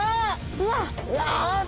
うわっ！